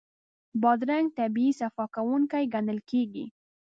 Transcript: بادرنګ طبعي صفا کوونکی ګڼل کېږي.